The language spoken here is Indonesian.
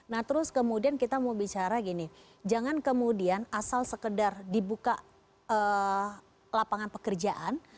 nah terus kemudian kita mau bicara gini jangan kemudian asal sekedar dibuka lapangan pekerjaan